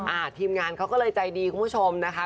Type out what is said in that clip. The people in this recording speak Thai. ทีมงานเขาก็เลยใจดีคุณผู้ชมนะคะ